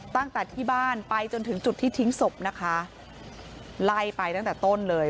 ตั้งแต่ที่บ้านไปจนถึงจุดที่ทิ้งศพนะคะไล่ไปตั้งแต่ต้นเลย